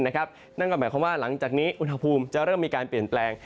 นั่นก็หมายความว่าหลังจากนี้อุณหภูมิจะเริ่มมีการเปลี่ยนแปลง